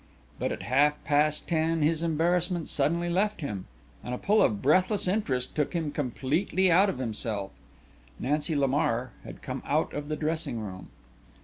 But at half past ten his embarrassment suddenly left him and a pull of breathless interest took him completely out of himself Nancy Lamar had come out of the dressing room.